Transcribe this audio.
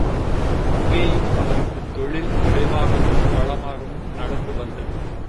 அங்கேயும் அவருக்கு தொழில் விரைவாகவும், வளமாகவும் நடந்து வந்தது.